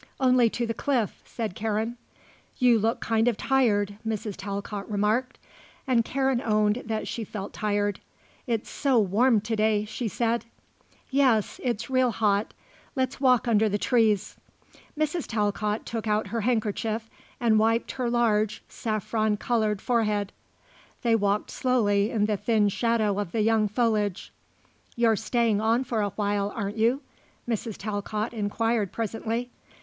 "Only to the cliff," said Karen. "You look kind of tired," Mrs. Talcott remarked, and Karen owned that she felt tired. "It's so warm to day," she said. "Yes; it's real hot. Let's walk under the trees." Mrs. Talcott took out her handkerchief and wiped her large, saffron coloured forehead. They walked slowly in the thin shadow of the young foliage. "You're staying on for a while, aren't you?" Mrs. Talcott inquired presently.